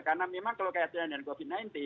karena memang kalau kajian dan covid sembilan belas